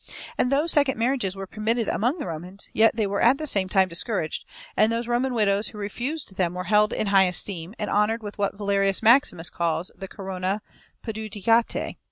And though second marriages were permitted among the Romans, yet they were at the same time discouraged, and those Roman widows who refused them were held in high esteem, and honoured with what Valerius Maximus calls the Corona Pudicitiae.